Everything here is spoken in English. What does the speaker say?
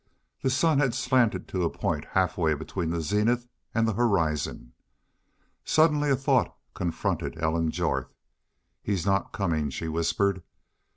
The sun had slanted to a point halfway between the zenith and the horizon. Suddenly a thought confronted Ellen Jorth: "He's not comin'," she whispered.